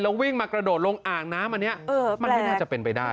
วิ่งมากระโดดลงอ่างน้ำอันนี้มันไม่น่าจะเป็นไปได้